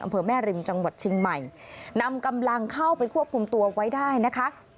อำเภอแม่ริมจังหวัดเชียงใหม่นำกำลังเข้าไปควบคุมตัวไว้ได้นะคะ